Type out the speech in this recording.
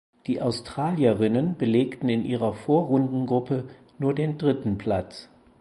Die Australierinnen belegten in ihrer Vorrundengruppe nur den dritten Platz.